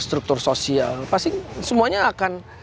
struktur sosial pasti semuanya akan